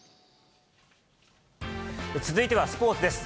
続いてはスポーツです。